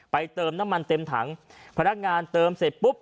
เติมน้ำมันเต็มถังพนักงานเติมเสร็จปุ๊บ